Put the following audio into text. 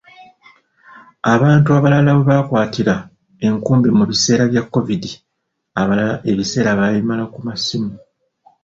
Abantu abalala webakwatira enkumbi mu biseera bya covid, abalala ebiseera babimalira ku masimu.